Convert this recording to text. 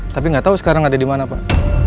tapi gak tau sekarang ada dimana pak